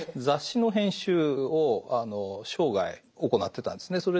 雑誌の編集を生涯行ってたんですね。